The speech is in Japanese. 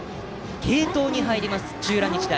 継投に入ります、土浦日大。